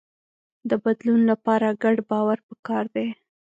د بدلون لپاره ګډ باور پکار دی.